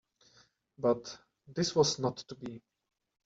But this was not to be.